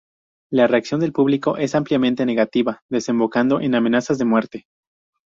La reacción del público es ampliamente negativa, desembocando en amenazas de muerte.